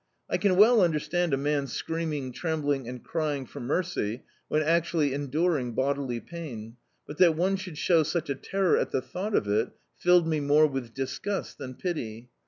I can well understand a man screaming, trem bling and crying for mercy, when actually enduring bodily pain, but that one ^ould show such a terror at the thought of it, filled me more with disgust than pity.